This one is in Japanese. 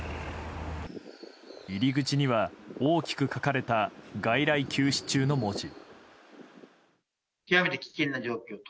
入り口には大きく書かれた「外来休止中」の文字。